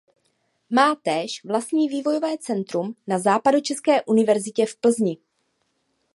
Má též vlastní vývojové centrum na Západočeské univerzitě v Plzni.